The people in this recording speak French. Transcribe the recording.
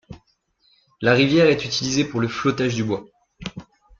La rivière est utilisée pour le flottage du bois.